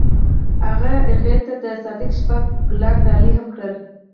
هغه هغې ته د صادق شپه ګلان ډالۍ هم کړل.